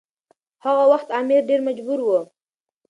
هغه وخت امیر ډیر مجبور و.